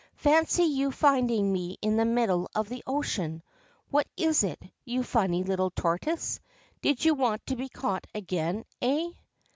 ' Fancy you finding me in the middle of the ocean ! What is it, you funny little tortoise ? Do you want to be caught again, eh